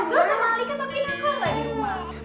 kenzo sama alika tapi nako ga di rumah